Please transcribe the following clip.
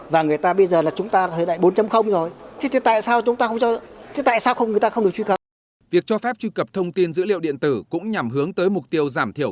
việc cho phép truy cập thông tin dữ liệu điện tử cũng nhằm hướng tới mục tiêu giảm thiểu